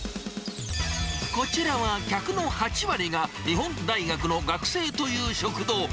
こちらは客の８割が、日本大学の学生という食堂。